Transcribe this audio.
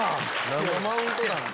何のマウントなんすか。